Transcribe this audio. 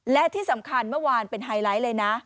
และที่สำคัญเมื่อวานเป็นไฮไลท์เลยนะ